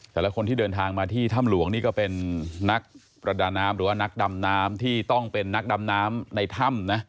แต่ละคนที่เดินทางมาที่ถ้ำหลวงนี่ก็เป็นนักประดาน้ำหรือว่านักดำน้ำที่ต้องเป็นนักดำน้ำในถ้ำนะ